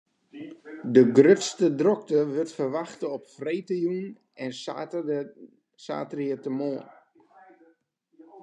De grutste drokte wurdt ferwachte op freedtejûn en saterdeitemoarn.